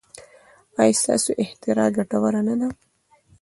ایا ستاسو اختراع ګټوره نه ده؟